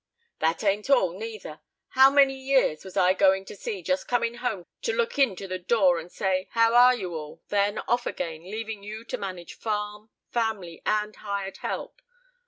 "That ain't all, neither. How many years was I going to sea, just coming home to look in to the door, and say, 'How are you all?' then off again, leaving you to manage farm, family, and hired help!